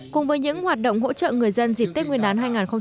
cùng với những hoạt động hỗ trợ người dân dịp tết nguyên đán hai nghìn một mươi tám